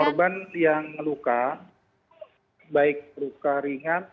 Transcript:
korban yang luka baik luka ringan